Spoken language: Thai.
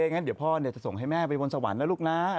งั้นเดี๋ยวพ่อจะส่งให้แม่ไปบนสวรรค์นะลูกนะ